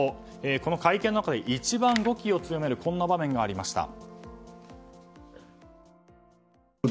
この会見の中で一番語気を強めるこんな場面がありました。